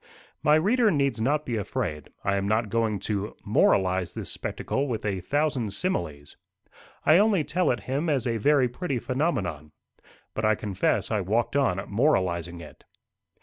My reader needs not be afraid; I am not going to "moralise this spectacle with a thousand similes." I only tell it him as a very pretty phenomenon. But I confess I walked on moralising it.